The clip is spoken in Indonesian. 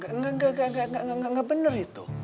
enggak enggak enggak enggak enggak enggak bener itu